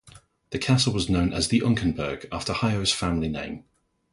The castle was also known as the "Unkenburg", after Hayo's family name.